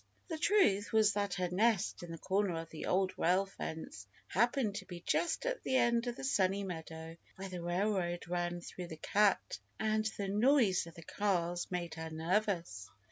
The truth was that her nest in the corner of the Old Rail Fence happened to be just at the end of the Sunny Meadow where the railroad ran through the "cut," and the noise of the cars made her nervous.